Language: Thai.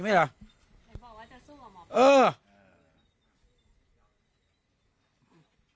พระต่ายสวดมนต์